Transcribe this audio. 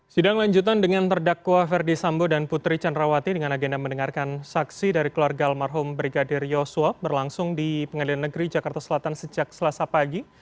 sidang lanjutan dengan terdakwa ferdi sambo dan putri candrawati dengan agenda mendengarkan saksi dari keluarga almarhum brigadir yosua berlangsung di pengadilan negeri jakarta selatan sejak selasa pagi